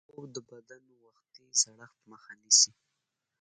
خوب د بدن وختي زړښت مخه نیسي